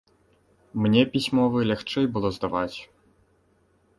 Мне пісьмовы лягчэй было здаваць.